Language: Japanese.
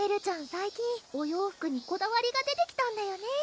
最近お洋服にこだわりが出てきたんだよね